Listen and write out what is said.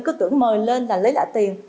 cứ tưởng mời lên là lấy lại tiền